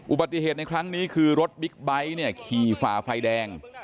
อุบัติเหตุในครั้งนี้คือรถบิ๊กไบท์เนี่ยขี่ฝ่าไฟแดง